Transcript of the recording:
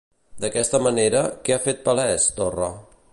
D'aquesta manera, què ha fet palès, Torra?